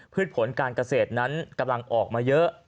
ผลการเกษตรนั้นกำลังออกมาเยอะ